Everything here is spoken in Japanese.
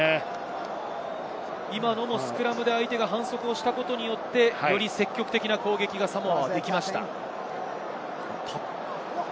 今のもスクラムで相手が反則をしたことによって、より積極的な攻撃が、サモアはできました。